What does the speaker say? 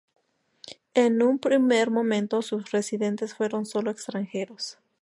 En un primer momento sus residentes fueron sólo extranjeros.